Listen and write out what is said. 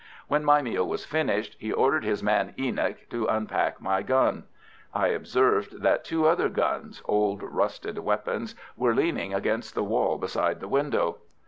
When my meal was finished he ordered his man Enoch to unpack my gun. I observed that two other guns, old rusted weapons, were leaning against the wall beside the window.